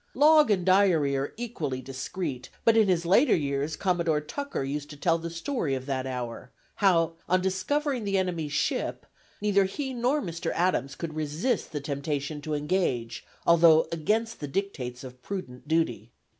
Log and diary are equally discreet, but in his later years Commodore Tucker used to tell the story of that hour; how on discovering the enemy's ship, "neither he nor Mr. Adams could resist the temptation to engage, although against the dictates of prudent duty.